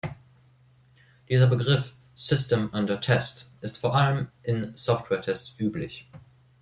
Dieser Begriff "System Under Test" ist vor allem in Software-Tests üblich.